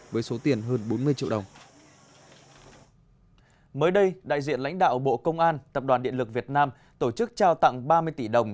lãnh đạo bộ công an tập đoàn điện lực việt nam tổ chức trao tặng ba mươi tỷ đồng